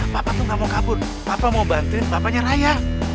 papa tuh gak mau kabur papa mau bantuin bapaknya raya